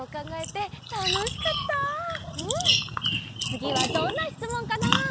つぎはどんなしつもんかな？